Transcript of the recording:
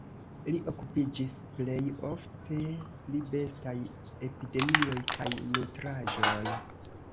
Li okupiĝis plej ofte pri bestaj epidemioj kaj nutraĵoj.